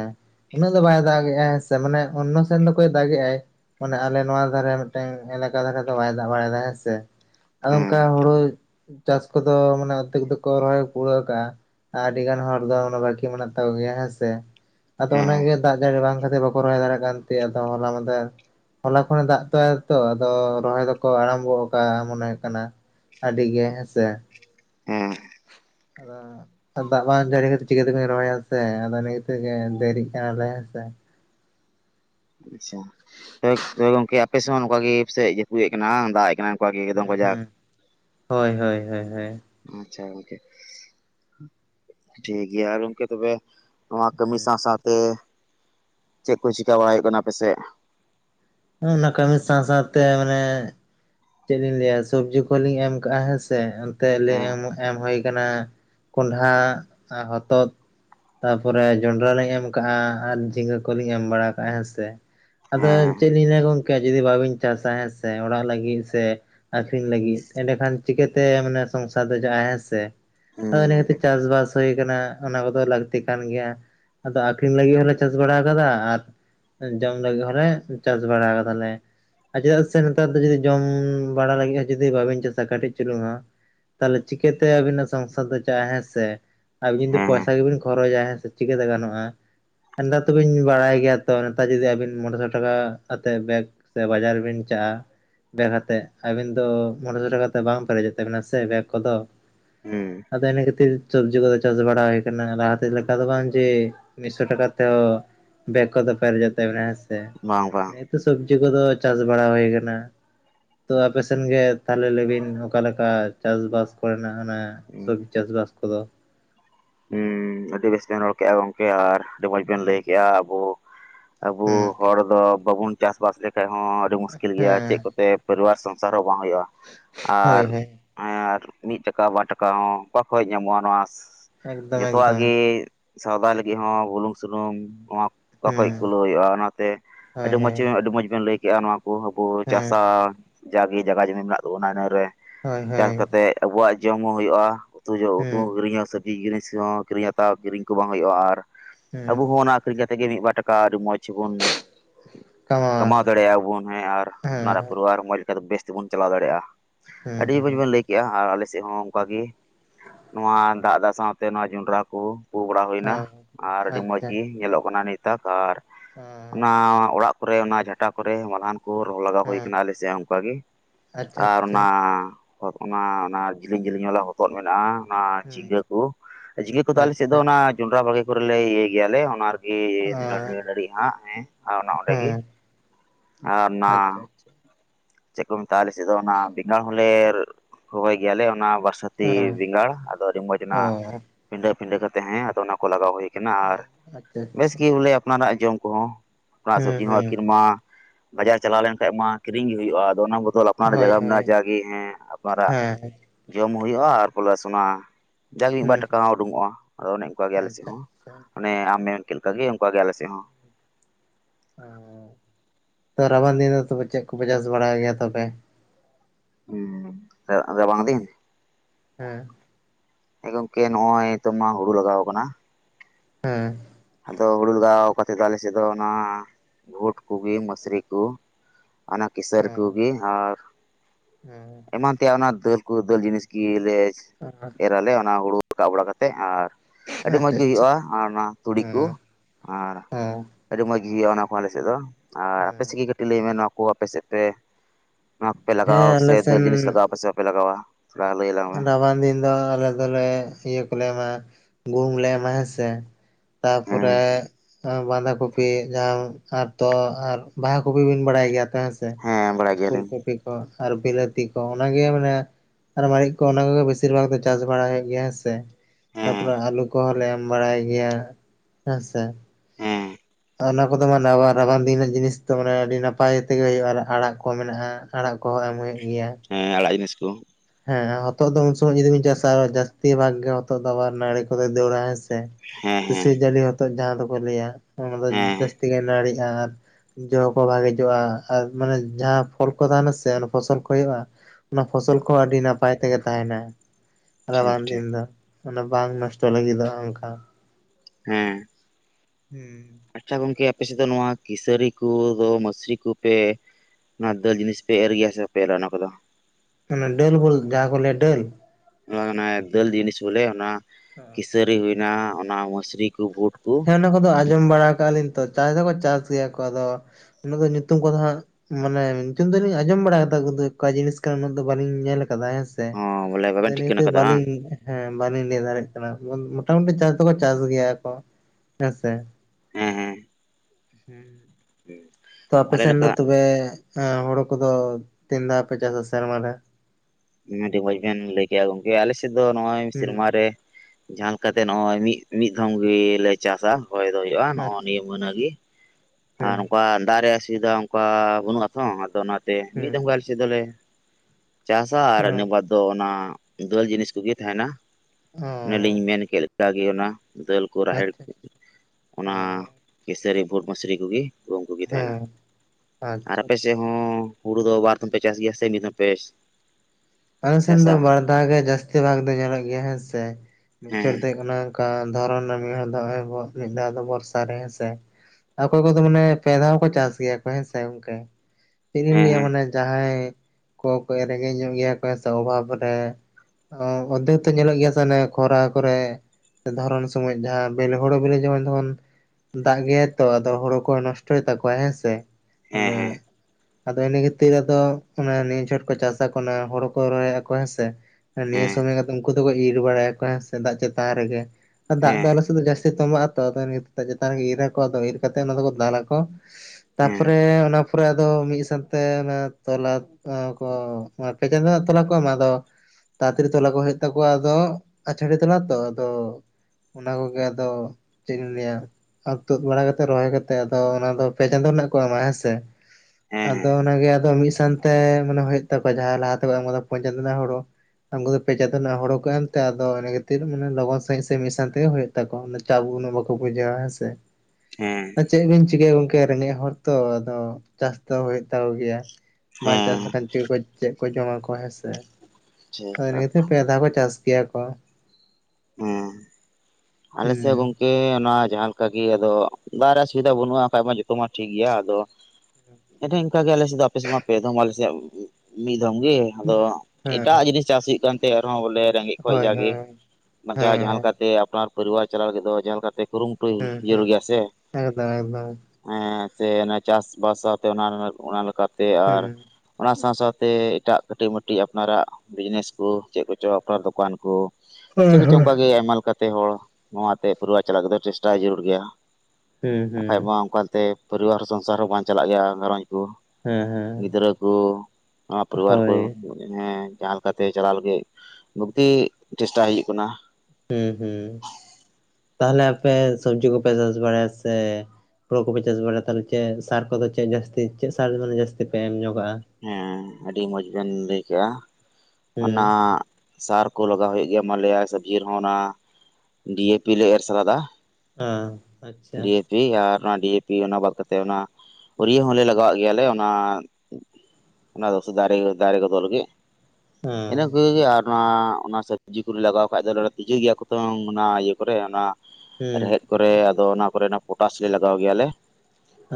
ᱩᱱᱟᱹᱜ ᱫᱚ ᱵᱟᱭ ᱫᱟᱜ ᱮᱫᱟ ᱦᱮᱸ ᱥᱮ ᱢᱟᱱᱮ ᱚᱱᱱᱚ ᱥᱮᱱ ᱫᱚᱠᱚᱭ ᱫᱟᱜ ᱮᱫᱟᱭ ᱢᱟᱱᱮ ᱟᱞᱮ ᱱᱚᱣᱟ ᱫᱷᱟᱨᱮ ᱢᱤᱫᱴᱮᱱ ᱮᱞᱟᱠᱟ ᱫᱷᱟᱨᱮ ᱫᱚ ᱵᱟᱭ ᱫᱟᱜ ᱵᱟᱲᱟᱭᱮᱫᱟ ᱦᱮᱸ ᱥᱮ ᱟᱫᱚ ᱦᱮᱸ ᱚᱱᱠᱟ ᱦᱩᱲᱩ ᱪᱟᱥ ᱠᱚᱫᱚ ᱢᱟᱱᱮ ᱚᱛᱫᱷᱮᱠ ᱫᱚ ᱠᱚ ᱨᱚᱦᱚᱭ ᱠᱩᱲᱟᱹᱣ ᱠᱟᱜᱼᱟ᱾ ᱟᱹᱰᱤ ᱜᱟᱱ ᱦᱚᱲ ᱫᱚ ᱵᱟᱠᱤ ᱢᱮᱱᱟᱜ ᱛᱟᱠᱚ ᱜᱮᱭᱟ ᱦᱮᱸᱥᱮ ᱟᱫᱚ ᱦᱮᱸ ᱚᱱᱟᱜᱮ ᱫᱟᱜ ᱡᱟᱹᱲᱤ ᱵᱟᱝ [unintelligible] ᱟᱫᱚ ᱦᱚᱞᱟ ᱢᱟᱦᱫᱮᱨ ᱦᱚᱞᱟ ᱠᱷᱚᱱᱮ ᱫᱟᱜ ᱛᱟᱭᱛᱚ ᱟᱫᱚ ᱨᱚᱦᱚᱭ ᱫᱚᱠᱚ ᱟᱨᱟᱢᱵᱚ ᱟᱠᱟᱫ ᱢᱚᱱᱮ ᱦᱩᱭᱩᱜ ᱠᱟᱱᱟ ᱟᱹᱰᱤ ᱜᱮ ᱦᱮᱸᱥᱮ ᱦᱮᱸ ᱟᱫᱚ ᱫᱟᱜ ᱵᱟᱝ ᱡᱟᱲᱤ [unintelligible] ᱨᱚᱦᱭᱟ ᱥᱮ ᱟᱫᱚ ᱫᱷᱮᱨᱤ ᱠᱟᱱᱟᱞᱮ ᱥᱮ ᱟᱪᱪᱷᱟ ᱮ ᱮ ᱜᱚᱝᱠᱮ ᱟᱯᱮᱥᱮᱫ ᱦᱚᱸ ᱱᱚᱝᱠᱟ ᱜᱮ ᱡᱟᱹᱯᱩᱮᱫ ᱟᱠᱟᱱᱟ ᱫᱟᱜ ᱠᱟᱱᱟ ᱚᱱᱠᱟ ᱜᱮ ᱮᱠᱫᱚᱢ ᱦᱩᱸ ᱠᱟᱡᱟᱠ ᱦᱩᱸ ᱦᱳᱭ ᱦᱳᱭ ᱦᱳᱭ ᱦᱳᱭ ᱟᱪᱪᱷᱟ ᱜᱚᱝᱠᱮ ᱴᱷᱤᱠ ᱜᱮᱭᱟ ᱜᱚᱝᱠᱮ ᱛᱚᱵᱮ ᱱᱚᱣᱟ ᱠᱟᱹᱢᱤ ᱦᱩᱸ ᱥᱟᱶ ᱥᱟᱶᱛᱮ ᱪᱮᱫ ᱠᱚ ᱪᱤᱠᱟᱹ ᱵᱟᱲᱟᱭ ᱦᱩᱭᱩᱜ ᱠᱟᱱᱟ ᱟᱯᱮᱥᱮᱫ ᱚᱱᱟ ᱠᱟᱹᱢᱤ ᱥᱟᱶ ᱥᱟᱶᱛᱮ ᱢᱟᱱᱮ ᱪᱮᱫ ᱞᱤᱧ ᱞᱟᱹᱭᱟ ᱥᱚᱵᱽᱡᱤ ᱠᱚᱞᱤᱧ ᱮᱢ ᱠᱟᱜᱼᱟ ᱦᱮᱸᱥᱮ ᱚᱱᱛᱮ ᱞᱤᱧ ᱦᱮᱸ ᱮᱢ ᱦᱩᱭ ᱠᱟᱱᱟ᱾ ᱠᱚᱸᱰᱦᱟ ᱦᱚᱛᱚᱫ ᱛᱟᱯᱚᱨᱮ ᱡᱚᱱᱰᱨᱟ ᱞᱤᱧ ᱮᱢ ᱠᱟᱜᱼᱟ ᱟᱨ ᱡᱷᱤᱸᱜᱟᱹ ᱠᱚᱞᱤᱧ ᱮᱢ ᱵᱟᱲᱟ ᱠᱟᱜᱼᱟ ᱦᱮᱸ ᱥᱮ ᱟᱫᱚ ᱦᱮᱸ ᱪᱮᱫ ᱞᱤᱧ ᱞᱟᱹᱭᱟ ᱜᱚᱝᱠᱮ ᱡᱩᱫᱤ ᱵᱟᱵᱤᱱ ᱪᱟᱥᱟ ᱦᱮᱸ ᱥᱮ ᱚᱲᱟᱜ ᱞᱟᱹᱜᱤᱫ ᱥᱮ ᱟᱠᱷᱨᱤᱧ ᱞᱟᱹᱜᱤᱫ ᱮᱸᱰᱮ ᱠᱷᱟᱱ ᱪᱤᱠᱟᱹᱛᱮ ᱢᱟᱱᱮ ᱥᱚᱝᱥᱟᱨ ᱫᱚ ᱪᱟ ᱟ ᱦᱮᱸ ᱥᱮ ᱱᱚᱜᱼᱚᱭ ᱱᱤᱭᱮ ᱦᱩᱸ ᱛᱮ ᱪᱟᱥᱵᱟᱥ ᱦᱩᱭ ᱠᱟᱱᱟ ᱚᱱᱟ ᱠᱚᱫᱚ ᱞᱟᱹᱠᱛᱤ ᱠᱟᱱ ᱜᱮᱭᱟ ᱟᱫᱚ ᱟᱠᱷᱨᱤᱧ ᱞᱟᱹᱜᱤᱫ ᱦᱚᱸᱞᱮ ᱪᱟᱥ ᱵᱟᱲᱟ ᱟᱠᱟᱫᱟ ᱟᱨ ᱡᱚᱢ ᱞᱟᱹᱜᱤᱫ ᱦᱚᱞᱮ ᱪᱟᱥ ᱵᱟᱲᱟ ᱟᱠᱟᱫᱟᱞᱮ ᱟᱨ ᱪᱮᱫᱟᱜ ᱥᱮ ᱱᱮᱛᱟᱨ ᱫᱚ ᱡᱫᱤ ᱡᱚᱢ ᱵᱟᱲᱟ ᱞᱟᱹᱜᱤᱫ ᱦᱚ ᱡᱩᱫᱤ ᱵᱟᱵᱤᱱ ᱪᱟᱥᱟ ᱠᱟᱹᱴᱤᱡ ᱪᱩᱞᱩᱝ ᱦᱚᱸ ᱛᱟᱦᱚᱞᱮ ᱪᱤᱠᱟᱹᱛᱮ ᱟᱵᱤᱱᱟᱜ ᱥᱚᱝᱥᱟᱨ ᱫᱚ ᱪᱟᱼᱟ ᱦᱮᱸ ᱥᱮ ᱟᱵᱤᱱ ᱫᱚ ᱦᱮᱸ ᱯᱚᱭᱥᱟ ᱜᱮᱵᱤᱱ ᱠᱷᱚᱨᱚᱪᱟ ᱦᱮᱸ ᱥᱮ ᱪᱤᱠᱟᱹᱛᱮ ᱜᱟᱱᱚᱜᱼᱟ᱾ [unintelligible] ᱛᱚᱵᱤᱱ ᱵᱟᱲᱟᱭ ᱜᱮᱭᱟ ᱛᱚ ᱱᱮᱛᱟᱨ ᱡᱩᱫᱤ ᱟᱵᱤᱱ ᱢᱚᱲᱮ ᱥᱚ ᱴᱟᱠᱟ ᱠᱟᱛᱮᱫ ᱵᱮᱜ ᱥᱮ ᱵᱟᱡᱟᱨ ᱵᱮᱱ ᱪᱟᱜᱼᱟ [unintelligible] ᱛᱮᱜ ᱟᱹᱵᱤᱱ ᱫᱚ ᱢᱚᱬᱮ ᱥᱚ ᱴᱟᱠᱟ ᱛᱮ ᱵᱟᱝ ᱯᱮᱨᱮᱡᱚᱜ ᱛᱟᱵᱤᱱᱟ ᱥᱮ ᱵᱮᱜᱽ ᱠᱚᱫᱚ ᱦᱮᱸ ᱟᱫᱚ ᱤᱱᱟᱹ ᱠᱷᱟᱹᱛᱤᱨ ᱥᱚᱵᱡᱤ ᱠᱚᱫᱚ ᱪᱟᱥ ᱵᱟᱲᱟ ᱦᱩᱭ ᱟᱠᱟᱱᱟ ᱞᱟᱦᱟᱛᱮ ᱞᱮᱠᱟ ᱫᱚ ᱵᱟᱝ ᱡᱮ ᱢᱤᱫ ᱥᱚ ᱴᱟᱠᱟ ᱛᱮ ᱦᱚ ᱵᱮᱜᱽ ᱠᱚᱫᱚ ᱯᱮᱨᱮᱡᱚᱡ ᱭᱟᱵᱮᱱᱟ ᱦᱮᱸᱥᱮ ᱵᱟᱝ ᱵᱟᱝ ᱱᱮᱛᱩ ᱥᱚᱵᱽᱡᱤ ᱠᱚᱫᱚ ᱪᱟᱥ ᱵᱟᱲᱟ ᱦᱩᱭ ᱟᱠᱟᱱᱟ᱾ ᱛᱚ ᱟᱯᱮ ᱥᱮᱱ ᱜᱮ ᱛᱟᱦᱚᱞᱮ ᱞᱟᱹᱭᱵᱤᱱ ᱚᱠᱟ ᱞᱮᱠᱟ ᱪᱟᱥᱵᱟᱥ ᱠᱚᱨᱮᱱᱟᱜ ᱚᱱᱟ ᱦᱩᱸ ᱥᱟᱵᱽ ᱪᱟᱥ ᱵᱟᱥ ᱠᱚᱫᱚ ᱦᱩᱸ ᱟᱹᱰᱤ ᱵᱮᱥ ᱵᱮᱱ ᱨᱚᱲ ᱠᱮᱫᱼᱟ ᱜᱚᱝᱠᱮ ᱟᱨ ᱟᱹᱰᱤ ᱢᱚᱸᱡᱽ ᱵᱮᱱ ᱦᱩᱸ ᱞᱟᱹᱭ ᱠᱮᱜᱼᱟ ᱟᱵᱚ ᱟᱵᱩ ᱦᱩᱸ ᱦᱚᱲ ᱫᱚ ᱵᱟᱵᱚᱱ ᱪᱟᱥ ᱵᱟᱥ ᱞᱮᱠᱷᱟᱡ ᱦᱚᱸ ᱟᱹᱰᱤ ᱢᱩᱥᱠᱤᱞ ᱜᱮᱭᱟ ᱪᱮᱫ ᱦᱮᱸ ᱠᱚᱛᱮ? ᱯᱚᱨᱤᱵᱟᱨ ᱥᱚᱝᱥᱟᱨ ᱦᱚᱸ ᱵᱟᱝ ᱦᱩᱭᱩᱜᱼᱟ, ᱦᱳᱭ ᱟᱨ ᱦᱳᱭ ᱟᱨ ᱢᱤᱫ ᱴᱟᱠᱟ ᱵᱟᱨ ᱴᱟᱠᱟ ᱦᱚᱸ ᱚᱠᱟ ᱠᱷᱚᱡ ᱧᱟᱢᱚᱜᱼᱟ ᱱᱚᱶᱟ ᱮᱠᱫᱚᱢ ᱡᱚᱛᱚ ᱣᱟᱜ ᱮᱠᱫᱚᱢ ᱜᱮ ᱥᱟᱣᱫᱟ ᱞᱟᱹᱜᱤᱫ ᱦᱚᱸ ᱵᱩᱞᱩᱝ ᱥᱩᱱᱩᱢ ᱱᱚᱶᱟ ᱠᱚ ᱚᱠᱚᱭ ᱦᱩᱸ ᱠᱚᱞᱤ ᱦᱩᱭᱩᱜᱼᱟ ᱚᱱᱟᱛᱮ ᱦᱳᱭ ᱟᱹᱰᱤ ᱢᱚᱸᱡᱽ ᱦᱳᱭ ᱟᱹᱰᱤ ᱢᱚᱸᱡᱽ ᱵᱮᱱ ᱞᱟᱹᱭ ᱠᱮᱫᱼᱟ ᱱᱚᱶᱟ ᱩᱱᱠᱩ ᱦᱚᱸᱵᱚ ᱦᱮᱸ ᱪᱟᱥᱟ ᱡᱟᱜᱮ ᱡᱟᱜᱟ ᱡᱩᱢᱤ ᱢᱮᱱᱟᱜ ᱛᱟᱵᱚᱱᱟ ᱤᱱᱟᱹ ᱨᱮ, ᱦᱳᱭ ᱪᱟᱥ ᱦᱳᱭ ᱠᱟᱛᱮᱜ ᱟᱵᱚᱣᱟᱜ ᱡᱚᱢ ᱦᱚᱸ ᱦᱩᱭᱩᱜᱼᱟ ᱩᱛᱩ ᱡᱚ ᱩᱛᱩ ᱦᱩᱸ ᱠᱤᱨᱤᱧ ᱦᱚᱸ ᱥᱮ ᱡᱤᱱᱤᱥ ᱦᱚᱸ ᱠᱤᱨᱤᱧ ᱦᱟᱛᱟᱣ ᱠᱤᱨᱤᱧ ᱠᱚ ᱵᱟᱝ ᱦᱩᱭᱩᱜᱼᱟ ᱟᱨ ᱦᱩᱸ ᱟᱵᱚ ᱦᱚᱸ ᱚᱱᱟ ᱟᱠᱷᱨᱤᱧ ᱠᱟᱛᱮ ᱜᱮ ᱢᱤᱫ ᱵᱟᱨ ᱴᱟᱠᱟ ᱟᱹᱰᱤ ᱢᱚᱸᱡᱽ ᱵᱚᱱ ᱠᱟᱢᱟᱣᱟ ᱠᱟᱢᱟᱣ ᱫᱟᱲᱮᱭᱟᱜᱼᱟ ᱵᱩᱱ ᱟᱨ ᱟᱯᱱᱟᱨᱟᱜ ᱦᱮᱸ ᱯᱚᱨᱤᱵᱟᱨ ᱢᱚᱸᱡᱽ ᱵᱮᱥ ᱛᱮᱵᱚᱱ ᱪᱟᱞᱟᱣ ᱫᱟᱲᱮᱭᱟᱜᱼᱟ ᱦᱩᱸ ᱟᱹᱰᱤ ᱦᱩᱸ ᱢᱚᱸᱡᱽ ᱵᱮᱱ ᱞᱟᱹᱭ ᱠᱮᱜ-ᱟ ᱟᱨ ᱟᱞᱮ ᱥᱮᱫ ᱦᱚᱸ ᱚᱱᱠᱟᱜ ᱜᱮ ᱱᱚᱶᱟ ᱫᱟᱜ ᱫᱟᱜ ᱥᱟᱶᱛᱮ ᱱᱚᱶᱟ ᱡᱚᱸᱰᱨᱟ ᱯᱩ ᱯᱩ ᱵᱟᱲᱟ ᱦᱩᱭᱱᱟ ᱦᱳᱭ ᱟᱨ ᱟᱹᱰᱤ ᱢᱚᱸᱡᱽ ᱟᱪᱪᱷᱟ ᱜᱮ ᱧᱮᱞᱚᱜ ᱠᱟᱱᱟ ᱱᱮᱛᱟᱜ ᱟᱨ ᱚᱱᱟ ᱦᱮᱸ ᱚᱲᱟᱜ ᱠᱚᱨᱮ ᱚᱱᱟ ᱡᱷᱟᱴᱟ ᱠᱚᱨᱮ ᱢᱟᱞᱦᱟᱱ ᱠᱚᱨ ᱞᱟᱜᱟᱣ ᱦᱩᱭᱩ ᱦᱮᱸ ᱟᱠᱟᱱᱟ ᱟᱞᱮ ᱥᱮᱫ ᱚᱱᱠᱟ ᱜᱮ ᱟᱪᱪᱷᱟ ᱟᱨ ᱟᱪᱪᱷᱟ ᱚᱱᱟ ᱚᱱᱟ ᱚᱱᱟ ᱡᱮᱞᱮᱧ ᱡᱮᱞᱤᱧ ᱣᱟᱞᱟ ᱦᱚᱛᱚᱫ ᱢᱮᱱᱟᱜᱼᱟ ᱚᱱᱟ ᱦᱩᱸ ᱡᱷᱤᱸᱜᱟᱹ ᱡᱷᱤᱸᱜᱟᱹ ᱠᱚᱫᱚ ᱟᱞᱮ ᱥᱮᱫ ᱫᱚ ᱟᱪᱪᱷᱟ ᱚᱱᱟ ᱡᱚᱱᱰᱽᱨᱟ ᱵᱟᱲᱜᱮ ᱠᱚᱨᱮ ᱞᱮ ᱤᱭᱟᱹ ᱜᱮᱭᱟᱞᱮ ᱚᱱᱟ ᱚᱸ [unintelligible] ᱦᱟᱸᱜ ᱦᱮᱸ ᱟᱨ ᱚᱱᱮ ᱚᱸᱰᱮ ᱜᱮ ᱦᱮᱸ ᱟᱨ ᱚᱱᱟ ᱟᱪᱪᱷᱟ ᱟᱪᱪᱷᱟ ᱪᱮᱫ ᱠᱚ ᱢᱮᱛᱟᱜᱼᱟ ᱟᱞᱮ ᱥᱮᱫ ᱫᱚ ᱚᱱᱟ ᱵᱮᱝᱜᱟᱲ ᱦᱚᱞᱮ ᱨᱚᱦᱚᱭ ᱜᱮᱭᱟ ᱞᱮ ᱚᱱᱟ ᱵᱟ. ᱨᱥᱟ. ᱛ ᱦᱮᱸ ᱵᱮᱝᱜᱟᱲ ᱟᱹᱰᱤ ᱢᱚᱸᱡᱽ ᱮᱱᱟ ᱚ ᱯᱤᱸᱰᱟᱹ ᱯᱤᱸᱰᱟᱹ ᱠᱚᱛᱮ ᱦᱮᱸ ᱟᱫᱚ ᱚᱱᱟ ᱠᱚ ᱞᱟᱜᱟᱣ ᱦᱩᱭᱩᱜ ᱟᱨ ᱟᱪᱪᱷᱟ ᱵᱮᱥ ᱟᱪᱪᱷᱟ ᱜᱮ ᱵᱚᱞᱮ ᱟᱯᱱᱟᱨᱟᱜ ᱡᱚᱢ ᱠᱚᱦᱚᱸ ᱚᱲᱟᱜ ᱦᱩᱸ ᱥᱚᱵᱽᱡᱤ ᱦᱚᱸ ᱦᱩᱸ ᱟᱠᱷᱤᱨ ᱢᱟ ᱵᱟᱡᱟᱨ ᱪᱟᱞᱟᱣ ᱞᱮᱱᱠᱟᱱ ᱢᱟ ᱠᱤᱨᱤᱧ ᱜᱤ ᱦᱩᱭᱩᱜᱼᱟᱫᱚ ᱚᱱᱟ ᱵᱚᱫᱚᱞ ᱟᱯ ᱟᱯᱱᱟᱨ ᱦᱳᱭ ᱡᱟᱭᱜᱟ ᱦᱳᱭ ᱢᱮᱱᱟᱜᱼᱟ ᱡᱟᱜᱮ ᱦᱮᱸ ᱟᱯᱱᱟᱨᱟᱜ ᱦᱮᱸ ᱡᱚᱢ ᱦᱩᱭᱩᱜᱼᱟ ᱟᱨ ᱯᱮᱞᱟᱥ ᱚᱱᱟ ᱡᱟᱜᱮ ᱢᱤᱫ ᱵᱟᱨ ᱦᱩᱸ ᱴᱟᱠᱟ ᱦᱩᱸ ᱦᱚᱸ ᱩᱰᱩᱝᱚᱜᱼᱟ ᱟᱫᱚ ᱚᱱᱮ ᱚᱱᱠᱟ ᱜᱮ ᱟᱞᱮ ᱥᱮᱫ ᱟᱪᱪᱷᱟ ᱦᱚᱸ ᱟᱪᱪᱷᱟ ᱚᱱᱮ ᱟᱢ ᱢᱮᱢ ᱪᱮᱫ ᱞᱮᱠᱟ ᱜᱮ ᱚᱱᱠᱟ ᱜᱮ ᱟᱞᱮ ᱥᱮᱫ ᱦᱚᱸ ᱛᱚ ᱨᱟᱵᱟᱝ ᱫᱤᱱ ᱫᱚ ᱛᱚ ᱵᱮ ᱪᱮᱫ ᱠᱚᱯᱮ ᱪᱟᱥ ᱵᱟᱲᱟᱭ ᱜᱮᱭᱟ ᱛᱚᱵᱮ? ᱦᱟᱺ ᱨᱟᱵᱟᱝ ᱫᱤᱱ ᱦᱮᱸ ᱦᱮᱸ ᱜᱚᱝᱠᱮ ᱱᱚᱜ ᱚᱭ ᱛᱚ ᱦᱩᱲᱩ ᱞᱟᱜᱟᱣ ᱟᱠᱟᱱᱟ᱾ ᱦᱮᱸ ᱟᱫᱚ ᱦᱩᱲᱩ ᱞᱟᱜᱟᱣ ᱠᱟᱛᱮ ᱫᱚ ᱟᱞᱮ ᱥᱮᱫ ᱫᱚ ᱚᱱᱟ ᱵᱷᱩᱴ ᱠᱚᱜᱮ ᱢᱟᱥᱨᱤ ᱠᱚ ᱚᱱᱟ ᱠᱤᱥᱟᱹᱨ ᱦᱮᱸ ᱠᱚᱜᱮ ᱟᱨ ᱮᱢᱟᱱ ᱛᱮᱭᱟᱜ ᱚᱱᱟ ᱫᱟᱹᱞ ᱠᱩ ᱫᱟᱹᱞ ᱡᱤᱱᱤᱥ ᱜᱮ ᱦᱮᱸ ᱮᱨ ᱞᱮ ᱚᱱᱟ ᱦᱩᱲᱩ ᱨᱟᱠᱟᱵ ᱵᱟᱲᱟ ᱠᱟᱛᱮᱫ ᱟᱨ ᱟᱪᱪᱷᱟ ᱟᱹᱰᱤ ᱢᱚᱡᱽ ᱜᱮ ᱟᱪᱪᱷᱟ ᱦᱩᱭᱩᱜᱼᱟ ᱟᱨ ᱚᱱᱟ ᱛᱩᱲᱤ ᱠᱚ ᱦᱮᱸ ᱟᱨ ᱦᱮᱸ ᱟᱹᱰᱤ ᱢᱚᱡᱽ ᱜᱮ ᱦᱩᱭᱩᱜᱼᱟ ᱚᱱᱟ ᱠᱚ ᱟᱞᱮ ᱥᱮᱫ ᱫᱚ ᱟᱨ ᱟᱯᱮ ᱦᱮᱸ ᱥᱮᱫ ᱜᱮ ᱠᱟᱹᱴᱤᱡ ᱞᱟᱹᱭ ᱢᱮ ᱱᱚᱶᱟ ᱠᱚ ᱟᱯᱮ ᱥᱮᱫ ᱯᱮ ᱚᱱᱟ ᱠᱚᱯᱮ ᱞᱟᱜᱟᱣ ᱦᱮᱸ ᱥᱮ ᱟᱞᱮ ᱥᱮᱱ ᱫᱟᱹᱞ ᱡᱤᱱᱤᱥ ᱞᱟᱜᱟᱣ ᱟ ᱥᱮ ᱵᱟᱯᱮ ᱞᱟᱜᱟᱣ-ᱟ ᱛᱷᱚᱲᱟ ᱞᱟᱹᱭ ᱟᱞᱟᱝ ᱢᱮ ᱨᱟᱵᱟᱝ ᱫᱤᱱ ᱫᱚ ᱟᱞᱮ ᱫᱚᱞᱮ ᱤᱭᱟᱹ ᱠᱚᱞᱮ ᱮᱢᱟ ᱜᱩᱦᱩᱢ ᱞᱮ ᱮᱢᱟ ᱦᱮᱸᱥᱮ ᱛᱟ ᱦᱮᱸ ᱯᱚᱨᱮ ᱵᱟᱸᱫᱷᱟ ᱠᱚᱯᱤ ᱡᱟᱦᱟᱸ ᱟᱨ ᱛᱚ ᱟᱨ ᱵᱟᱦᱟ ᱠᱚᱯᱤ ᱵᱤᱱ ᱵᱟᱲᱟᱭ ᱜᱮᱭᱟ ᱛᱚ ᱦᱮᱸᱥᱮ? ᱦᱮᱸ ᱵᱟᱲᱟᱭ ᱯᱷᱩᱞ ᱜᱮᱭᱟᱞᱤᱧ ᱠᱚᱵᱤ ᱠᱚ ᱟᱨ ᱵᱤᱞᱟᱹᱛᱤ ᱠᱚ ᱚᱱᱟ ᱜᱮ ᱢᱟᱱᱮ ᱟᱨ ᱢᱟᱨᱮ ᱚᱱᱟ ᱠᱚᱜᱮ ᱵᱮᱥᱤᱨ ᱵᱷᱟᱜᱽ ᱫᱚ ᱪᱟᱥ ᱵᱟᱲᱟ ᱦᱩᱭᱩᱜ ᱜᱮᱭᱟ ᱦᱮᱸ ᱥᱮ ᱛᱟ ᱦᱮᱸ ᱯᱚᱨᱮ ᱟᱞᱩ ᱠᱚᱦᱚᱸ ᱞᱮᱢ ᱵᱟᱲᱟᱭ ᱜᱮᱭᱟ ᱦᱮᱸᱥᱮ ᱦᱮᱸ ᱚᱱᱟ ᱠᱚᱫᱚ ᱢᱟᱱᱮ ᱟᱵᱟᱨ ᱨᱟᱵᱟᱝ ᱫᱤᱱ ᱨᱮᱱᱟᱜ ᱡᱤᱱᱤᱥ ᱛᱚ ᱢᱟᱱᱮ ᱟᱹᱰᱤ ᱱᱟᱯᱟᱭ ᱛᱮᱜᱮ ᱦᱩᱭᱩᱜᱼᱟ ᱟᱲᱟᱜ ᱠᱚ ᱢᱮᱱᱟᱜᱼᱟ ᱟᱲᱟᱜ ᱠᱚᱦᱚᱸ ᱮᱨ ᱦᱩᱭᱩᱜ ᱜᱮᱭᱟ ᱦᱮᱸ ᱟᱲᱟᱜ ᱡᱤᱱᱤᱥ ᱠᱚ ᱦᱮᱸ ᱦᱚᱛᱚᱫ ᱫᱚ ᱩᱱ ᱥᱚᱢᱚᱭ ᱡᱩᱫᱤ ᱵᱤᱱ ᱪᱟᱥᱟ ᱡᱟᱹᱥᱛᱤ ᱵᱷᱟᱜ ᱜᱮ ᱦᱚᱛᱚᱫ ᱫᱚ ᱟᱵᱟᱨ ᱱᱟᱲᱤ ᱠᱚᱫᱚᱭ ᱫᱟᱹᱲᱟ ᱦᱮᱸᱥᱮ ᱦᱮᱸ ᱦᱮᱸ ᱥᱤᱥᱤᱨ ᱡᱟᱹᱞᱤ ᱦᱚᱛᱚᱫ ᱡᱟᱦᱟᱸ ᱫᱚᱠᱚ ᱞᱟᱹᱭᱟ ᱚᱱᱟ ᱫᱚ ᱦᱮᱸ ᱡᱟᱹᱥᱛᱤ ᱜᱮ ᱱᱟᱹᱲᱤᱜᱼᱟ ᱟᱨ ᱡᱚ ᱠᱚ ᱵᱷᱟᱜᱮ ᱡᱚᱜᱼᱟ ᱟᱨ ᱢᱟᱱᱮ ᱡᱟᱦᱟᱸ ᱯᱷᱚᱞ ᱠᱚ ᱛᱟᱦᱮᱱᱟ ᱥᱮ ᱚᱱᱟ ᱯᱷᱚᱥᱚᱞ ᱠᱚ ᱦᱩᱭᱩᱜᱼᱟ ᱚᱱᱟ ᱯᱷᱚᱥᱚᱞ ᱠᱚᱦᱚᱸ ᱟᱹᱰᱤ ᱱᱟᱯᱟᱭ ᱛᱮᱜᱮ ᱛᱟᱦᱮᱱᱟ ᱴᱷᱤᱠ ᱨᱟᱵᱟᱝ ᱫᱤᱱ ᱴᱷᱤᱠ ᱫᱚ ᱢᱟᱱᱮ ᱵᱟᱝ ᱱᱚᱥᱴᱚ ᱞᱟᱜᱤᱫᱚᱜ-ᱟ ᱚᱱᱠᱟ ᱦᱮᱸ ᱦᱩᱸ ᱟᱪᱪᱷᱟ ᱜᱚᱝᱠᱮ ᱟᱯᱮᱥᱮᱫ ᱫᱚ ᱱᱚᱣᱟ ᱠᱤᱥᱟᱹᱨᱤ ᱠᱚ ᱫᱚ ᱢᱟᱥᱨᱤ ᱠᱚᱯᱮ ᱚᱱᱟ ᱫᱟᱹᱞ ᱡᱤᱱᱤᱥ ᱯᱮ ᱮᱨ ᱜᱮᱭᱟ ᱥᱮ ᱵᱟᱯᱮ ᱮᱨᱟ ᱚᱱᱟ ᱠᱚᱫᱚ ᱢᱟᱱᱮ ᱰᱟᱹᱞ ᱜᱳᱞ ᱡᱟᱦᱟᱸ ᱠᱚ ᱞᱟᱹᱭᱟ ᱰᱟᱹᱞ ᱵᱟᱝ ᱚᱱᱮ ᱫᱟᱹᱞ ᱡᱤᱱᱤᱥ ᱵᱚᱞᱮ ᱚᱱᱟ ᱠᱤᱥᱟᱹᱨᱤ ᱚᱱᱟ ᱢᱟᱥᱨᱤ ᱠᱚ ᱵᱷᱩᱴ ᱠᱚ ᱦᱮᱸ ᱚᱱᱟ ᱠᱚᱫᱚ ᱟᱸᱡᱚᱢ ᱵᱟᱲᱟ ᱠᱟᱜᱼᱟ ᱞᱤᱧ ᱛᱚ ᱪᱟᱥ ᱫᱚᱠᱚ ᱪᱟᱥ ᱜᱮᱭᱟ ᱠᱚ ᱟᱫᱚ ᱩᱱᱟᱹᱜ ᱫᱚ ᱧᱩᱛᱩᱢ ᱠᱚᱫᱚ ᱦᱟᱸᱜ ᱢᱟᱱᱮ ᱧᱩᱛᱩᱢ ᱫᱚᱞᱤᱧ ᱟᱸᱡᱚᱢ ᱵᱟᱲᱟ ᱟᱠᱟᱫᱟ ᱠᱤᱱᱛᱩ ᱚᱠᱟ ᱡᱤᱱᱤᱥ ᱴᱟᱜ ᱩᱱᱟᱹᱜ ᱫᱚ ᱵᱟᱹᱞᱤᱧ ᱧᱮᱞ ᱟᱠᱟᱫᱟ ᱦᱮᱸ ᱥᱮ ᱦᱚᱸ ᱵᱚᱞᱮ ᱛᱮ ᱟᱫᱚ ᱵᱟᱵᱮᱱ ᱱᱤᱛ ᱴᱷᱤᱠᱟᱹᱱ ᱦᱚᱸ ᱟᱠᱟᱫᱟ ᱵᱟᱝ ᱵᱟᱹᱞᱤᱧ ᱦᱮᱸ ᱵᱟᱹᱞᱤᱧ ᱞᱟᱹᱭ ᱫᱟᱲᱮᱭᱟᱜ ᱠᱟᱱᱟ ᱢᱚᱴᱟ ᱢᱩᱴᱤ ᱪᱟᱥ ᱫᱚᱠᱚ ᱪᱟᱥ ᱜᱮᱭᱟ ᱠᱚ ᱦᱮᱸᱥᱮ ᱦᱮᱸ ᱦᱮᱸ ᱦᱩᱸ ᱛᱚ ᱟᱯᱮ ᱟᱞᱮ ᱥᱮᱱ ᱫᱚ ᱞᱮᱠᱟ ᱛᱚᱵᱮ ᱦᱩᱲᱩ ᱠᱚᱫᱚ ᱛᱤᱱ ᱫᱷᱟᱣ ᱯᱮ ᱪᱟᱥᱫᱟ ᱥᱮᱨᱢᱟ ᱨᱮ ᱟᱹᱰᱤ ᱢᱚᱡ ᱵᱮᱱ ᱞᱟᱹᱭ ᱠᱮᱜ-ᱟ ᱜᱚᱝᱠᱮ ᱟᱞᱮ ᱥᱮᱫ ᱫᱚ ᱱᱚᱜ-ᱚᱭ ᱦᱩᱸ ᱥᱮᱨᱢᱟ ᱨᱮ ᱡᱟᱦᱟᱸ ᱞᱮᱠᱟᱛᱮ ᱱᱚᱜ-ᱚᱭ ᱢᱤᱫ ᱢᱤᱫ ᱫᱷᱚᱢ ᱜᱮᱞᱮ ᱪᱟᱥᱟ ᱦᱳᱭ ᱫᱚ ᱦᱳᱭᱳᱜᱼᱟ ᱱᱚᱜᱼᱚ ᱟᱪᱪᱷᱟ ᱱᱤᱭᱟᱹ ᱢᱟᱹᱱᱟᱹ ᱜᱮ ᱟᱨ ᱦᱮᱸ ᱱᱚᱝᱠᱟ ᱫᱟᱜ ᱨᱮᱭᱟᱜ ᱚᱥᱩᱵᱤᱫᱷᱟ ᱚᱱᱠᱟ ᱵᱟᱹᱱᱩᱜᱼᱟ ᱛᱷᱚ ᱟᱫᱚ ᱚᱱᱟᱛᱮ ᱢᱤᱫ ᱦᱮᱸ ᱫᱚᱢ ᱜᱟᱱ ᱜᱟᱱ ᱥᱤᱫᱷᱟᱹ ᱞᱟᱹᱭ [inaudible] [inaudible] ᱟᱨ ᱚ ᱤᱱᱟᱹ ᱵᱟᱫᱽ ᱫᱚ ᱚᱱᱟ ᱫᱟᱹᱞ ᱡᱤᱱᱤᱥ ᱠᱚᱜᱮ ᱛᱟᱦᱮᱱᱟ ᱚ ᱚᱱᱮ ᱞᱤᱧ ᱢᱮᱱ ᱠᱮᱫ ᱞᱮᱠᱟ ᱜᱮ ᱚᱱᱟ ᱫᱟᱹᱞ ᱠᱚ ᱨᱟᱦᱮᱲ ᱟᱪᱪᱷᱟ ᱠᱚ ᱚᱱᱟ ᱚ ᱠᱤᱥᱟᱹᱨᱤ ᱵᱷᱩᱴ ᱢᱟᱥᱨᱤ ᱠᱚᱜᱮ ᱜᱩᱦᱩᱢ ᱠᱚᱜᱮ ᱛᱟᱦᱮᱱᱟ, ᱦᱮᱸ ᱟᱨ ᱟᱪᱪᱷᱟ ᱟᱯᱮ ᱟᱪᱪᱷᱟ ᱥᱮᱫ ᱦᱚᱸᱻ ᱦᱩᱲᱩ ᱫᱚ ᱵᱟᱨ ᱫᱷᱚᱢ ᱯᱮ ᱪᱟᱥ ᱜᱮᱭᱟ ᱥᱮ ᱢᱤᱫ ᱫᱷᱚᱢ ᱯᱮ ᱟᱞᱮ ᱥᱮᱱ ᱫᱚ ᱪᱟᱥᱟ ᱵᱟᱨ ᱫᱷᱟᱣ ᱜᱮ ᱡᱟᱹᱥᱛᱤ ᱵᱷᱟᱜᱽ ᱫᱚ ᱧᱮᱞᱚᱜ ᱜᱮᱭᱟ ᱦᱮᱸ ᱥᱮ ᱢᱤᱫ ᱦᱮᱸ ᱪᱷᱚᱴ ᱫᱚ ᱦᱩᱭᱩᱜ ᱠᱟᱱᱟ ᱚᱱᱠᱟ ᱫᱷᱚᱨᱚᱱ ᱨᱮ ᱢᱤᱫ ᱦᱚᱲ ᱫᱚ ᱱᱚᱜᱼᱚᱭ ᱢᱤᱫ ᱫᱷᱟᱣ ᱫᱚ ᱵᱚᱨᱥᱟ ᱨᱮ ᱦᱮᱸᱥᱮ᱾ ᱚᱠᱚᱭ ᱠᱚᱫᱚ ᱢᱟᱱᱮ ᱯᱮ ᱫᱷᱟᱣ ᱦᱚᱸᱠᱚ ᱪᱟᱥ ᱜᱮᱭᱟ ᱠᱚ ᱦᱮᱸ ᱥᱮ ᱜᱚᱝᱠᱮ ᱪᱮᱫ ᱤᱧ ᱦᱮᱸ ᱞᱟᱹᱭᱟ ᱦᱮᱸ ᱢᱟᱱᱮ ᱡᱟᱦᱟᱸᱭ ᱠᱚ ᱨᱮᱸᱜᱮᱡ ᱧᱚᱜ ᱜᱮᱭᱟ ᱠᱚ ᱥᱮ ᱚᱵᱷᱟᱵ ᱨᱮ ᱚᱸᱻ ᱚᱨᱫᱫᱷᱮᱠ ᱛᱚ ᱧᱮᱞᱚᱜ ᱜᱮᱭᱟ ᱥᱮ ᱚᱱᱮ ᱠᱷᱚᱨᱟ ᱠᱚᱨᱮ ᱫᱷᱚᱨᱚᱱ ᱥᱚᱢᱚᱭ ᱡᱟᱦᱟᱸ ᱵᱮᱞ ᱦᱩᱲᱩ ᱵᱮᱞᱮ ᱡᱚᱢᱮ ᱫᱚ ᱵᱚᱱ ᱫᱟᱜ ᱜᱮᱭᱟᱭ ᱛᱚ ᱟᱫᱚ ᱦᱳᱲᱳ ᱠᱚᱭ ᱱᱚᱥᱴᱚᱭ ᱛᱟᱠᱚᱣᱟ ᱦᱮᱸ ᱥᱮ ᱚᱱᱮ ᱦᱮᱸ ᱟᱫᱚ ᱤᱱᱟᱹ ᱠᱷᱟᱹᱛᱤᱨ ᱟᱫᱚ ᱚᱱᱮ ᱱᱤᱭᱟᱹ ᱪᱷᱚᱴ ᱠᱚ ᱪᱟᱥᱟᱠᱚ ᱚᱱᱮ ᱦᱳᱲᱳ ᱨᱚᱦᱚᱭᱮᱫ ᱟᱠᱚ ᱦᱮᱸ ᱥᱮ ᱱᱤᱭᱟᱹ ᱦᱮᱸ ᱥᱚᱢᱚᱭ ᱜᱮᱛᱮ ᱩᱱᱠᱩ ᱫᱚᱠᱚ ᱤᱨ ᱵᱟᱲᱟᱭᱟᱠᱚ ᱦᱮᱸ ᱥᱮ ᱫᱟᱜ ᱪᱮᱛᱟᱱ ᱨᱮᱜᱮ ᱫᱟᱜ ᱫᱚ ᱦᱮᱸ ᱟᱞᱮ ᱥᱮᱫ ᱫᱚ ᱡᱟᱹᱥᱼ ᱛᱚᱵᱟᱜᱼᱟ ᱟᱫᱚ ᱤᱱᱟᱹ ᱫᱟᱜ ᱪᱮᱛᱟᱱ ᱨᱮᱜᱮᱡ ᱤᱨ ᱟᱠᱚ, ᱟᱫᱚ ᱤᱨ ᱠᱟᱛᱮ ᱚᱱᱟ ᱫᱚᱠᱚ ᱫᱟᱞ ᱟᱠᱚ ᱦᱮᱸ ᱛᱟᱯᱚᱨᱮ ᱚᱱᱟᱯᱚᱨᱮ ᱟᱫᱚ ᱢᱤᱫ ᱥᱟᱶᱛᱮ ᱚᱱᱟ ᱛᱚᱞᱟ ᱠᱚ [inaudible] ᱛᱚᱞᱟ ᱠᱚ ᱮᱢᱟ ᱟᱫᱚ ᱛᱟᱲᱟ ᱛᱟᱹᱲᱤ ᱛᱚᱞᱟ ᱠᱚ ᱦᱩᱭᱩᱜ ᱛᱟᱠᱚᱣᱟ ᱟᱫᱚ ᱟᱪᱷᱟᱹᱲᱤ ᱛᱚᱞᱟ ᱛᱚ ᱟᱫᱚ ᱚᱱᱟ ᱠᱚᱜᱮ ᱟᱫᱚ ᱪᱮᱫ ᱤᱧ ᱞᱟᱹᱭᱟ ᱟᱨ ᱛᱩᱫ ᱵᱟᱲᱟ ᱠᱟᱛᱮ ᱨᱚᱦᱚᱭ ᱠᱟᱛᱮᱫ ᱟᱫᱚ ᱚᱱᱟᱫᱚ ᱯᱮ ᱪᱟᱸᱫᱳ ᱨᱮᱱᱟᱜ ᱠᱚ ᱮᱢᱟ ᱦᱮᱸ ᱥᱮ ᱦᱮᱸ ᱟᱫᱚ ᱚᱱᱟᱜᱮ ᱟᱫᱚ ᱢᱤᱫ ᱥᱟᱶᱛᱮᱻ ᱢᱟᱱᱮ ᱦᱩᱭᱩᱜ ᱛᱟᱠᱚᱣᱟ ᱡᱟᱦᱟᱸᱭ ᱞᱟᱦᱟ ᱛᱮᱠᱚ ᱮᱢ ᱠᱟᱫᱟ ᱯᱚᱧᱪᱟᱭᱮᱛ ᱨᱮᱱᱟᱜ ᱦᱩᱲᱩ ᱩᱝᱠᱩ ᱫᱚ ᱯᱮ ᱪᱟᱸᱫᱚ ᱨᱮᱱᱟᱜ ᱦᱳᱲᱳ ᱠᱚ ᱮᱢ ᱛᱮ ᱟᱫᱚ ᱤᱱᱟ ᱠᱷᱟᱹᱛᱤᱨ ᱢᱟᱱᱮ ᱞᱚᱜᱚᱱ ᱥᱟᱺᱦᱤᱡ ᱥᱮ ᱢᱤᱫ ᱥᱟᱶ ᱛᱮ ᱦᱩᱭᱩᱜ [inaudible] ᱪᱟᱵ ᱩᱱᱟᱹᱜ ᱵᱟᱠᱚ ᱵᱩᱡᱟᱹᱣᱟ ᱦᱮᱸ ᱥᱮ᱾ ᱦᱮᱸ ᱪᱮᱫ ᱵᱤᱱ ᱪᱤᱠᱟᱹᱭᱟ ᱜᱚᱝᱠᱮ ᱨᱮᱸᱜᱮᱡ ᱦᱚᱲ ᱛᱚ ᱟᱫᱚ ᱪᱟᱥ ᱛᱚ ᱦᱩᱭᱩᱜ ᱛᱟᱠᱚ ᱜᱮᱭᱟ ᱵᱟᱝ ᱪᱟᱥ ᱦᱮᱸ ᱞᱮᱠᱷᱟᱱ ᱪᱮᱬ ᱠᱚ ᱪᱮᱫ ᱠᱚ ᱡᱚᱢᱟ ᱦᱮᱸ ᱥᱮ ᱴᱷᱤᱠ ᱟᱫᱚ ᱤᱱᱟᱹ ᱠᱷᱟᱹᱛᱤᱨ ᱯᱮ ᱫᱷᱟ ᱵᱚ ᱪᱟᱥ ᱜᱮᱭᱟ ᱠᱚ᱾ ᱦᱮᱸ ᱟᱞᱮ ᱥᱮᱫ ᱦᱩᱸ ᱜᱚᱝ ᱮ ᱚᱱᱟ ᱡᱟᱦᱟᱸ ᱞᱮᱠᱮ ᱜᱤ ᱟᱫᱚ ᱫᱟᱜ ᱨᱮᱭᱟᱜ ᱥᱩᱵᱤᱫᱷᱟ ᱵᱟᱹᱱᱩᱜᱼᱟ᱾ ᱟᱯᱮᱭᱟᱜ ᱢᱟ ᱡᱷᱚᱛᱚ ᱢᱟ ᱴᱷᱤᱠ ᱜᱮᱭᱟ ᱟᱫᱚ ᱦᱮᱸ ᱛᱚ ᱤᱱᱠᱟᱹ ᱜᱮ ᱟᱞᱮᱥᱮᱫ ᱫᱚ ᱟᱯᱮᱥᱮᱫ ᱢᱟ ᱯᱮ ᱫᱷᱚᱢ ᱟᱞᱮᱥᱮᱫ ᱢᱤᱫ ᱫᱷᱚᱢ ᱜᱮ ᱟᱫᱚ ᱦᱮᱸ ᱮᱴᱟᱜ ᱡᱤᱱᱤᱥ ᱪᱟᱥ ᱦᱩᱭᱩᱜ ᱠᱟᱱᱛᱮ ᱟᱨᱦᱚᱸ ᱵᱚᱞᱮ ᱨᱮᱸᱜᱮᱡ ᱠᱷᱚᱡ ᱦᱳᱭ ᱡᱟᱜᱮ ᱦᱳᱭ ᱵᱟᱧᱪᱟᱣ ᱡᱟᱦᱟᱸ ᱦᱮᱸ ᱞᱮᱠᱟᱛᱮ ᱟᱯᱱᱟᱨ ᱯᱚᱨᱤᱵᱟᱨ ᱪᱟᱞᱟᱣ ᱞᱟᱹᱜᱤᱫ ᱫᱚ ᱡᱟᱦᱟᱸ ᱞᱮᱠᱟᱛᱮ ᱠᱩᱨᱩᱢᱩᱴᱩ ᱦᱩᱸ ᱡᱷᱟᱞ ᱜᱮᱭᱟ ᱥᱮ ᱮᱠᱫᱚᱢ ᱮᱠᱫᱚᱢ ᱾ ᱦᱮᱸ, ᱥᱮ ᱚᱱᱟ ᱪᱟᱥᱼᱵᱟᱥ ᱥᱟᱶᱛᱮ, [unintelligible] ᱚᱱᱟ ᱞᱮᱠᱟᱛᱮ ᱟᱨ ᱦᱩᱸ ᱚᱱᱟ ᱥᱟᱶ ᱥᱟᱶᱛᱮ ᱮᱴᱟᱜ ᱠᱟᱹᱴᱤᱡ ᱢᱟᱹᱴᱤᱡ ᱟᱯᱱᱟᱨᱟᱜ ᱵᱤᱡᱽᱱᱮᱥ ᱠᱩ ᱪᱮᱫ ᱠᱚᱪᱚ ᱟᱯᱱᱟᱨ ᱫᱚᱠᱟᱱ ᱠᱚ ᱦᱳᱭ ᱪᱮᱜ ᱠᱚᱪᱚ ᱦᱳᱭ ᱚᱝᱼᱠᱟ ᱜᱮ ᱟᱭᱢᱟ ᱞᱮᱠᱟᱛᱮ ᱦᱚᱲ ᱱᱚᱣᱟᱛᱮ ᱯᱩᱨᱣᱟ ᱪᱟᱞᱟ ᱠᱟᱛᱮ ᱴᱮᱥᱴᱟᱭ ᱡᱟᱹᱨᱩᱲ ᱜᱮᱭᱟ᱾ ᱦᱩᱸ ᱦᱩᱸ ᱟᱡ ᱵᱟ ᱚᱱᱠᱟ ᱛᱮ ᱯᱚᱨᱤᱵᱟᱨ ᱥᱚᱝᱥᱟᱨ ᱦᱚᱸ ᱵᱟᱝ ᱪᱟᱞᱟᱜ ᱜᱮᱭᱟ ᱜᱷᱟᱨᱚᱸᱡᱽ ᱠᱩ-ᱼ ᱦᱮᱸ ᱦᱮᱸ ᱜᱤᱫᱽᱨᱟᱹ ᱠᱚ ᱟᱸᱻ ᱯᱚᱨᱤᱵᱟᱨ ᱠᱚ ᱦᱳᱭ ᱦᱮᱸ ᱡᱟᱦᱟᱸ ᱞᱮᱠᱟᱛᱮ ᱪᱟᱞᱟᱣ ᱞᱟᱹᱜᱤᱫ ᱵᱷᱩᱠᱛᱤᱜ ᱪᱮᱥᱴᱟᱭ ᱦᱩᱭᱩᱜ ᱠᱟᱱᱟ ᱦᱩᱸ ᱦᱩᱸ ᱛᱟᱦᱞᱮ ᱟᱯᱮ ᱥᱚᱵᱡᱤ ᱠᱚᱯᱮ ᱪᱟᱥ ᱵᱟᱲᱟᱭᱟ ᱥᱮ ᱦᱩᱲᱳ ᱠᱚᱯᱮ ᱪᱟᱥ ᱵᱟᱲᱟ ᱛᱟᱦᱚᱞᱮ ᱪᱮᱜ ᱥᱟᱨ ᱠᱚᱫᱚ ᱪᱮᱜ ᱡᱟᱹᱥᱛᱤ ᱪᱮᱜ ᱥᱟᱨ ᱢᱟᱱᱮ ᱡᱟᱹᱥᱛᱤ ᱯᱮ ᱮᱢ ᱧᱚᱜᱟᱜ-ᱟ? ᱦᱮᱸ ᱟᱹᱰᱤ ᱢᱚᱸᱡᱽ ᱵᱮᱱ ᱞᱟᱹᱭ ᱠᱟᱜᱼᱟ ᱚᱱᱟᱻ ᱦᱩᱸ ᱥᱟᱨ ᱠᱚ ᱞᱟᱜᱟᱣ ᱦᱳᱭᱳᱜ ᱜᱮᱭᱟ ᱦᱚᱸ ᱚᱱᱟ ᱰᱤ ᱮ ᱯᱤ ᱞᱮ ᱮᱨ ᱥᱟᱨ ᱟᱫᱟ᱾ ᱟᱻ ᱟᱪᱪᱷᱟ᱾ ᱯᱤ, ᱟᱨ ᱚᱱᱟ ᱰᱤ ᱮ ᱯᱤ ᱚᱱᱟ ᱵᱟᱛ ᱠᱟᱛᱮ ᱚᱱᱟ᱾ ᱚᱨᱭᱳ ᱦᱚᱸᱞᱮ ᱦᱩᱸ ᱞᱟᱜᱟᱣᱟ-ᱜ ᱜᱮᱭᱟᱞᱮ ᱚᱱᱟ ᱚᱱᱟ ᱫᱚ ᱥᱩᱫᱩ ᱫᱟᱨᱮ, ᱫᱟᱨᱮ ᱜᱚᱫᱚᱜ ᱞᱟᱜᱤᱜ, ᱤᱱᱟᱹ ᱦᱮᱸ ᱠᱚᱜᱮ ᱟᱨ ᱱᱚᱣᱟ ᱚᱱᱟ ᱥᱚᱵᱽᱡᱤ ᱠᱚᱞᱮ ᱞᱟᱜᱟᱣ ᱠᱟᱜ ᱫᱚᱞᱮ ᱛᱤᱡᱩᱭ ᱜᱮᱭᱟ ᱠᱚᱛᱚ ᱚᱱᱟ ᱤᱭᱟᱹ ᱠᱚᱨᱮ ᱚᱱᱟ ᱦᱩᱸ ᱨᱮᱦᱮᱫ ᱠᱚᱨᱮ ᱟᱫᱚ ᱚᱱᱟ ᱠᱚᱨᱮ ᱱᱟᱦ ᱯᱚᱴᱟᱥ ᱞᱮ ᱞᱟᱜᱟᱣ ᱜᱮᱭᱟᱞᱮ ᱾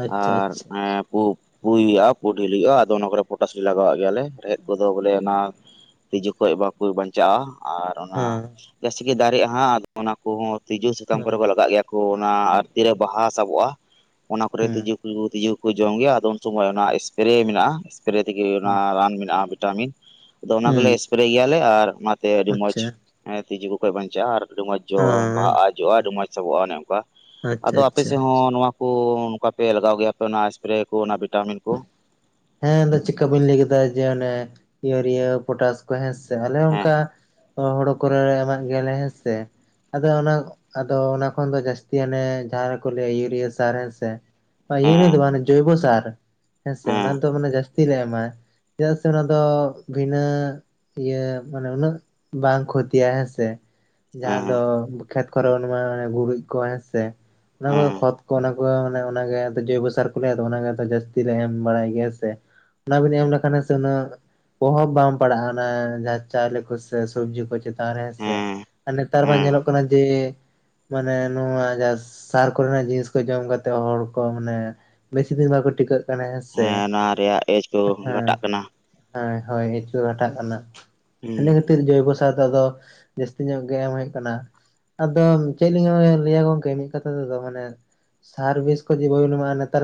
ᱟᱪᱪᱷᱟ ᱟᱨ ᱟᱪᱪᱷᱟ ᱯᱩ ᱯᱩᱭ ᱦᱩᱭᱩᱜ-ᱟ ᱯᱩ ᱰᱷᱤᱞ ᱦᱩᱭᱩᱜ-ᱟ ᱟᱫᱚ ᱚᱱᱟ ᱠᱚᱨᱮ ᱯᱚᱴᱟᱥ ᱞᱟᱜᱟᱣᱟᱜ ᱜᱮᱭᱟᱞᱮ᱾ ᱨᱮᱦᱮᱫ ᱠᱚᱫᱚ ᱵᱚᱞᱮ ᱚᱱᱟ [inaudible] ᱛᱤᱡᱩ ᱠᱷᱚᱡ ᱵᱟᱠᱚ ᱵᱟᱧᱪᱟᱜ-ᱟ ᱟᱨ ᱚᱱᱟ ᱦᱮᱸ ᱡᱟᱹᱥᱛᱤ ᱜᱤ ᱫᱟᱨᱤᱜ-ᱟ ᱦᱟᱸᱜ ᱟᱨ ᱚᱱᱟ ᱠᱩᱦᱚᱸ ᱛᱤᱡᱩ ᱥᱟᱠᱟᱢ ᱠᱚᱨᱮ ᱦᱮᱸ ᱠᱚ ᱞᱟᱜᱟᱜ ᱜᱮᱭᱟ ᱾ ᱠᱩ ᱚᱱᱟ ᱟᱨ ᱛᱤᱨᱮ ᱵᱟᱦᱟ ᱥᱟᱵᱚᱜ-ᱟ ᱚᱱᱟ ᱠᱚᱨᱮ ᱦᱮᱸ ᱛᱤᱡᱩ ᱦᱩᱲᱩ ᱛᱤᱡᱩ ᱠᱚ ᱡᱚᱢ ᱜᱮᱭᱟ ᱟᱫᱚ ᱩᱱ ᱥᱚᱢᱚᱭ ᱚᱱᱟ ᱮᱥᱯᱮᱨᱮ ᱢᱮᱱᱟᱜ-ᱟ ᱾ ᱯᱮᱨᱮ ᱛᱮᱜᱮ ᱚᱱᱟ ᱦᱩᱸ ᱨᱟᱱ ᱢᱮᱱᱟᱜ-ᱟ ᱵᱷᱤᱴᱟᱢᱤᱱ ᱟᱫᱚ ᱚᱱᱟ ᱠᱚᱞᱮ ᱦᱩᱸ ᱥᱯᱮᱨᱮ ᱜᱮᱭᱟᱞᱮ ᱟᱨ ᱛᱮ ᱟᱹᱰᱤ ᱢᱚᱸᱡᱽ ᱟᱪᱪᱷᱟ ᱮ ᱛᱤᱡᱩ ᱠᱚ ᱯᱮ ᱵᱟᱧᱪᱟᱜ-ᱟ ᱟᱨ ᱟᱹᱰᱤ ᱢᱚᱸᱡᱽ ᱡᱚ ᱦᱮᱸ ᱵᱟᱦᱟᱜ-ᱟ ᱡᱚᱜ-ᱟ ᱟᱹᱰᱤ ᱢᱚᱸᱡᱽ ᱥᱟᱵᱚᱜ-ᱟ ᱚᱱᱮ ᱚᱱᱠᱟ ᱟᱪᱪᱷᱟ ᱟᱫᱚ ᱟᱯᱮ ᱟᱪᱪᱷᱟ ᱥᱮᱫ ᱦᱚᱸ ᱱᱚᱣᱟ ᱠᱚ ᱱᱚᱝᱠᱟ ᱯᱮ ᱞᱟᱜᱟᱣ ᱜᱮᱭᱟᱯᱮ ᱚᱱᱟ ᱮᱥᱯᱨᱮ ᱠᱚ ᱚᱱᱟ ᱵᱷᱤᱴᱟᱢᱤᱱ ᱠᱚ᱾ ᱦᱮᱸ ᱮᱱ ᱫᱚ ᱪᱮᱠᱟ ᱵᱤᱱ ᱞᱟᱹᱭ ᱠᱮᱫᱟ ᱡᱮ ᱚᱱᱮ ᱤᱭᱩᱨᱤᱭᱟ ᱯᱚᱴᱟᱥ ᱠᱚ ᱦᱮᱸ ᱥ ᱟᱞᱮ ᱦᱮᱸ ᱚᱱᱠᱟ ᱦᱳᱲᱳ ᱠᱚᱨᱮ ᱮᱢᱟᱜ ᱜᱮᱭᱟᱞᱮ ᱦᱮᱸ ᱥᱮ ᱾ ᱟᱫᱚ ᱚᱱᱟ ᱟᱫᱚ ᱚᱱᱟ ᱠᱷᱚᱱ ᱫᱚ ᱡᱟᱹᱥᱛᱤᱭᱟᱱᱮ ᱡᱟᱦᱟᱸ ᱨᱮᱠᱚ ᱞᱟᱹᱭᱟ ᱤᱭᱩᱨᱤᱭᱟ ᱥᱟᱨ ᱦᱮᱸ ᱥᱮ ᱾ ᱤᱭᱩᱨᱤᱭᱟ ᱦᱮᱸ ᱫᱚ ᱵᱟᱝ ᱢᱟᱱᱮ ᱡᱚᱭᱵᱚ ᱥᱟᱨ ᱦᱮᱸ ᱥᱮ ᱚᱱᱟ ᱫᱚ ᱢᱟᱱᱮ ᱡᱟᱹᱥᱛᱤ ᱞᱮ ᱮᱢᱟ ᱪᱮᱫᱟᱜ ᱥᱮ ᱚᱱᱟ ᱫᱚ ᱵᱷᱤᱱᱟᱹ᱾ ᱤᱭᱟᱹ ᱢᱟᱱᱮ ᱩᱱᱟᱹᱜ ᱵᱟᱝ ᱠᱷᱚᱛᱤᱭᱟ ᱦᱮᱸᱥᱮ᱾ ᱡᱟᱦᱟᱸ ᱦᱮᱸ ᱫᱚ ᱠᱷᱮᱛ ᱠᱚᱨᱮ ᱚᱱᱮᱢᱟ ᱜᱩᱨᱤᱡ ᱠᱚ ᱦᱮᱸᱥᱮ ᱚᱱᱟ ᱠᱚ ᱦᱮᱸ ᱠᱷᱚᱛ ᱠᱚ ᱚᱱᱮ ᱵᱟᱝ ᱚᱱᱮ ᱚᱱᱟ ᱜᱮ ᱡᱚᱭᱵᱚ ᱥᱟᱨ ᱠᱚ ᱞᱟᱹᱭᱟ ᱚᱱᱟ ᱜᱮ ᱡᱟᱹᱥᱛᱤ ᱨᱮ ᱮᱢ ᱵᱟᱲᱟᱭ ᱜᱮᱭᱟ ᱥᱮ [inaudible] ᱚᱱᱟ ᱵᱤᱱ ᱮᱢ ᱞᱮᱠᱷᱟᱱ ᱩᱱᱟᱹᱜ ᱯᱚᱦᱚᱵ ᱵᱟᱝᱢ ᱯᱟᱲᱟᱜ-ᱟ ᱚᱱᱟ ᱡᱟᱦᱟᱸ ᱪᱟᱣᱞᱤ ᱠᱚ ᱥᱮ ᱥᱚᱵᱡᱤ ᱠᱚ ᱪᱮᱛ ᱟᱨ ᱦᱮᱸᱥᱮ ᱦᱮᱸ ᱟᱨ ᱱᱮᱛᱟᱨ ᱢᱟ ᱦᱮᱸ ᱧᱮᱞᱚᱜ ᱠᱟᱱᱟ ᱡᱮ ᱢᱟᱱᱮ ᱱᱚᱣᱟ ᱡᱟ ᱥᱟᱨ ᱠᱚᱨᱮᱱᱟᱜ ᱡᱤᱱᱤᱥ ᱠᱚ ᱡᱚᱢ ᱠᱟᱛᱮᱫ ᱦᱚᱲ ᱠᱚ ᱢᱟᱱᱮ ᱵᱮᱥᱤ ᱫᱤᱱ ᱵᱟᱠᱚ ᱴᱤᱠᱟᱹᱜ ᱠᱟᱱᱟ ᱦᱮᱸ ᱥᱮ ᱚᱱᱟ ᱨᱮᱭᱟᱜ ᱮᱡᱽ ᱠᱚ [unintelligible] ᱦᱟᱸ ᱜᱷᱟᱴᱟᱜ ᱠᱟᱱᱟ ᱦᱚᱭ ᱦᱚᱭ ᱤᱪᱩ ᱜᱷᱟᱴᱟᱜ ᱠᱟᱱᱟ ᱦᱩᱸ [unintelligible] ᱡᱚᱭᱵᱚᱥᱟᱨ ᱫᱚ ᱟᱫᱚ ᱡᱟᱹᱥᱛᱤ ᱧᱚᱜ ᱜᱮ ᱮᱢ ᱦᱩᱭᱩᱜ ᱠᱟᱱᱟ ᱾ ᱟᱫᱚᱢ ᱪᱮᱫ ᱞᱤᱧ ᱞᱟᱹᱭᱟ ᱜᱚᱝᱠᱮ ᱢᱤᱫ ᱠᱟᱛᱷᱟ ᱛᱮᱫᱚ ᱢᱟᱱᱮ ᱥᱟᱨ ᱵᱤᱥ ᱠᱚ ᱡᱩᱫᱤ ᱵᱟᱢ. ᱵᱤᱱ ᱮᱢᱟᱜ-ᱟ ᱱᱮᱛᱟᱨᱟᱜ